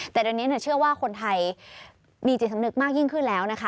แต่ตอนนี้เชื่อว่าคนไทยมีจิตสำนึกมากยิ่งขึ้นแล้วนะคะ